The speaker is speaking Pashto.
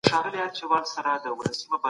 د زړه بدو غوښتنو ته واک نه ورکول کېږي.